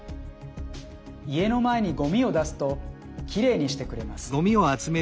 家の前にごみを出すときれいにしてくれます。